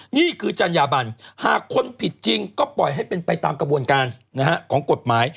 นี่คือจัญญาบันหากคนผิดจริงก็ปล่อยให้เป็นไปตามกระบวนการของกฎหมาย